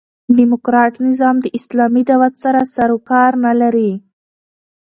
ډيموکراټ نظام د اسلامي دعوت سره سر و کار نه لري.